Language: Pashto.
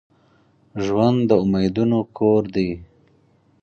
ژوند د امیدونو کور دي.